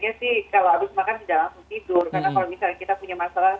karena kalo misalnya kita punya masalah